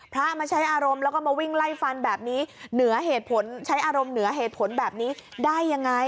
พระมาใช้อารมณ์แล้วก็มาวิ่งไล่ฟันแบบนี้เหนือเหตุผลใช้อารมณ์เหนือเหตุผลแบบนี้ได้ยังไง